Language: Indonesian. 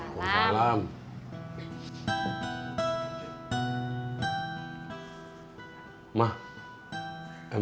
emangnya kita kurang apa aja sih